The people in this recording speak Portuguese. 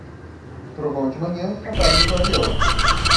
Trovão de manhã, a tarde clareou.